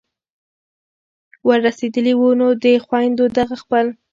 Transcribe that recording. ور رسېدلي وو نو دې خویندو دغه خپل